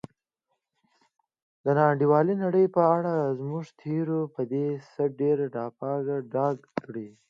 د نا انډولې نړۍ په اړه زموږ تیوري به ډېر څه په ډاګه کړي.